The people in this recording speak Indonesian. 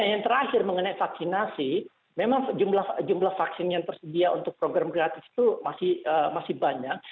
dan yang terakhir mengenai vaksinasi memang jumlah vaksin yang tersedia untuk program kreatif itu masih banyak